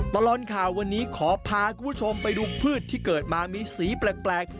ตลอดข่าววันนี้ขอพาคุณผู้ชมไปดูพืชที่เกิดมามีสีแปลก